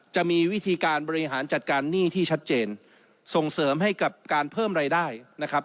จะมีวิธีการบริหารจัดการหนี้ที่ชัดเจนส่งเสริมให้กับการเพิ่มรายได้นะครับ